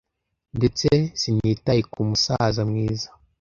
ndetse sinitaye kumusaza mwiza